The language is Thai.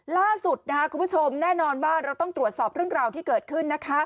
ล่าสุดคุณผู้ชมแน่นอนว่าเราต้องตรวจสอบเรื่องราวที่เกิดขึ้นนะคะ